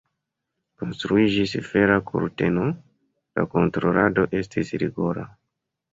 Konstruiĝis Fera kurteno, la kontrolado estis rigora.